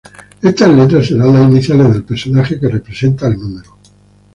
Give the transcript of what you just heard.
Estas letras serán las iniciales del personaje que representa al número.